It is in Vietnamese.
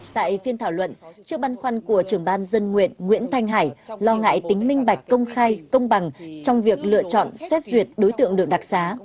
tại phiên thảo luận trước băn khoăn của trưởng ban dân nguyện nguyễn thanh hải lo ngại tính minh bạch công khai công bằng trong việc lựa chọn xét duyệt đối tượng được đặc xá